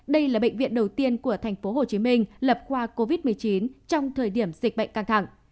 đây là bệnh viện đầu tiên của thành phố hồ chí minh lập qua covid một mươi chín trong thời điểm dịch bệnh căng thẳng